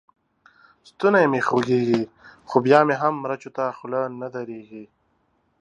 ستونی مې خوږېږي؛ خو بيا مې هم مرچو ته خوله نه درېږي.